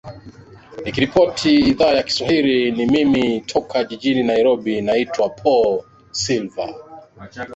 nikiripotia idhaa ya kiswahili ya rfi toka jijini nairobi naitwa paulo silver